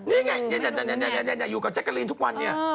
นี่ไงอยู่กับแจ๊กกะรีนทุกวันเนี่ย